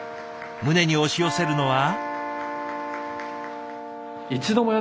胸に押し寄せるのは。